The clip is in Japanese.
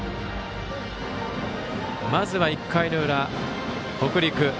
まずは１回の裏、北陸。